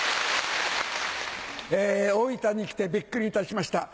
大分に来てビックリいたしました。